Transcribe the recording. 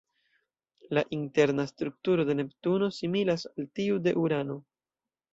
La interna strukturo de Neptuno similas al tiu de Urano.